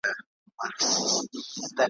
د لېوه کور بې هډوکو نه وي ,